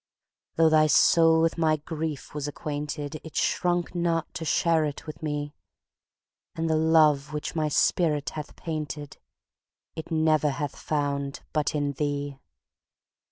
Though thy soul with my grief was acquainted, It shrunk not to share it with me, And the love which my spirit hath paintedIt never hath found but in thee.